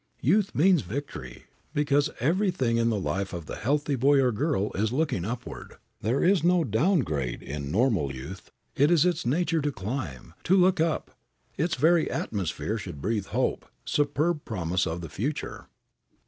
Youth means victory, because everything in the life of the healthy boy or girl is looking upward. There is no downgrade in normal youth; it is its nature to climb, to look up. Its very atmosphere should breathe hope, superb promise of the future.